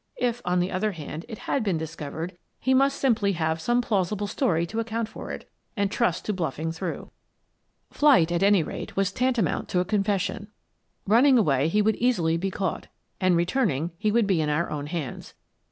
If, on the other hand, it had been discovered, he must simply have some plaus ible story to account for it, and trust to bluffing through. Flight, at any rate, was tantamount to a confession. Running away, he would be easily caught, and returning, he would be in our own hands.